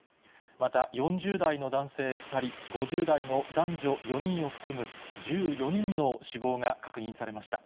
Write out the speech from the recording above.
また、４０代の男性２人、５０代の男女４人を含む１４人の死亡が確認されました。